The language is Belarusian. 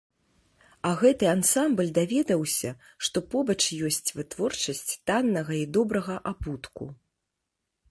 А гэты ансамбль даведаўся, што побач ёсць вытворчасць таннага і добрага абутку.